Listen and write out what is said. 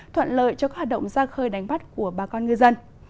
thuận lợi cho các hoạt động ra khơi đánh bắt của bà con ngư dân